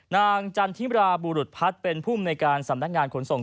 นางจันทิราบูรุภัทรเป็นผู้มนัยการสำนักงานขนส่ง